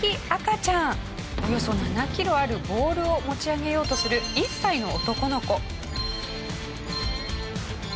およそ７キロあるボールを持ち上げようとする１歳の男の子。